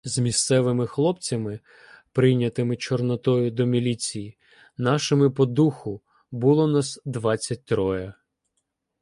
З місцевими хлопцями, прийнятими Чорнотою до міліції, нашими по духу, було нас двадцять троє.